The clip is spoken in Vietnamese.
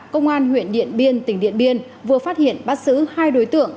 công an huyện điện biên tỉnh điện biên vừa phát hiện bắt xử hai đối tượng